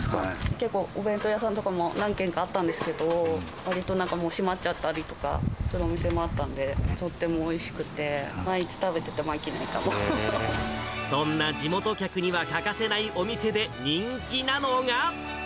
結構お弁当屋さんとかも何軒かあったんですけど、わりとなんか、閉まっちゃったりとかするお店もあったんで、とってもおいしくて、そんな地元客には欠かせないお店で人気なのが。